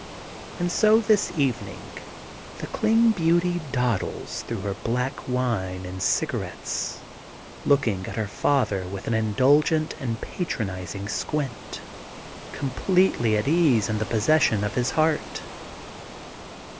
And so, this evening, the Ealing beauty dawdles through her black wine and cigar ettes looking at her father with an indulgent and patronizing squint, completely at ease in the possession of his heart.